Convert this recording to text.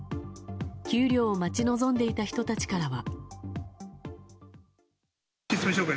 給料を待ち望んでいた人たちからは。